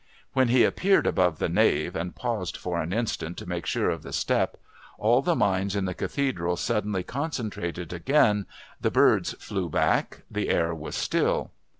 When he appeared above the nave, and paused for an instant to make sure of the step, all the minds in the Cathedral suddenly concentrated again, the birds flew back, the air was still.